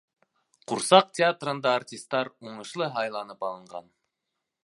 Ҡурсаҡ театрында артистар уңышлы һайланып алынған